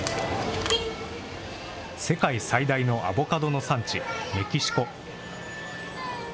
世界最大のアボカドの産地、メキシコ。